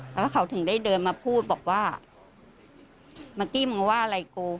แล้วก็เขาถึงได้เดินมาพูดบอกว่าเมื่อกี้มึงว่าอะไรกู